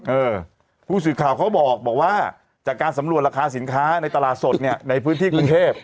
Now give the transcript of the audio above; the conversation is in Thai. เออผู้สื่อข่าวเขาบอกว่าจากการสำรวจราคาสินค้าในตลาดสดเนี่ยในพื้นที่กรุงเทพ